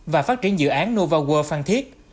và phát triển dự án nova world phan thiết